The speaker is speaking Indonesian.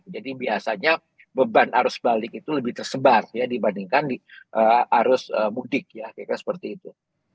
jadi biasanya beban arus balik itu lebih tersebar dibandingkan arus mudik ya seperti itu